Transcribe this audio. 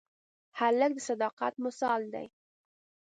هلک د صداقت مثال دی.